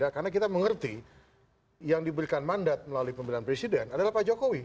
karena kita mengerti yang diberikan mandat melalui piano presiden adalah pak jokowi